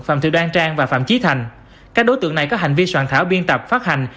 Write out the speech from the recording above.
phạm thị đoan trang và phạm trí thành các đối tượng này có hành vi soạn thảo biên tập phát hành